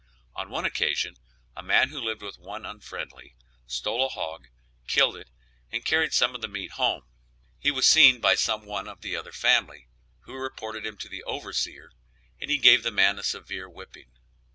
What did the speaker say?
On one occasion a man, who lived with one unfriendly, stole a hog, killed it, and carried some of the meat home. He was seen by some one of the other family, who reported him to the overseer, and he gave the man a severe whipping.